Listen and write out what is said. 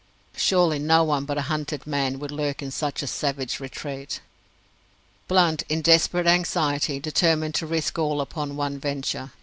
Surely no one but a hunted man would lurk in such a savage retreat. Blunt, in desperate anxiety, determined to risk all upon one venture.